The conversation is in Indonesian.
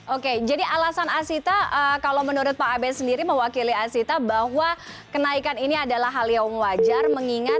oke jadi alasan asita kalau menurut pak abe sendiri mewakili asita bahwa kenaikan ini adalah hal yang wajar mengingat